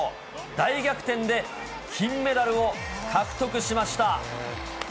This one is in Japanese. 大逆転で金メダルを獲得しました。